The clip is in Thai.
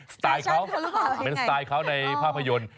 สไตล์เขาเป็นสไตล์เขาในภาพยนตร์